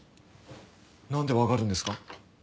なんでわかるんですか？